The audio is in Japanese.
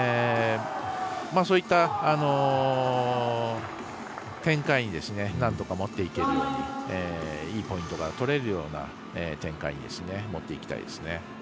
そういった展開になんとか持っていけるようにいいポイントが取れるような展開に持っていきたいですね。